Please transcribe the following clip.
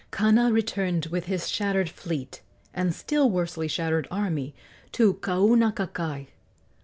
Kana returned with his shattered fleet and still worsely shattered army to Kaunakakai.